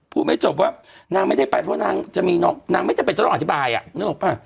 ไม่จบว่านางไม่ได้ไปเพราะนางจะมีน้องนางไม่จำเป็นจะต้องอธิบายนึกออกป่ะ